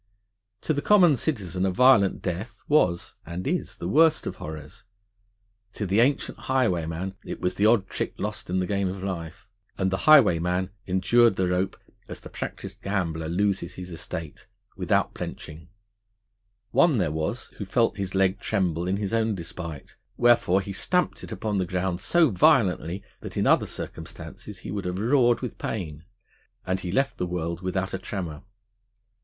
To the common citizen a violent death was (and is) the worst of horrors; to the ancient highwayman it was the odd trick lost in the game of life. And the highwayman endured the rope, as the practised gambler loses his estate, without blenching. One there was, who felt his leg tremble in his own despite: wherefore he stamped it upon the ground so violently, that in other circumstances he would have roared with pain, and he left the world without a tremor.